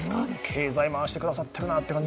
経済回してくださってるなって。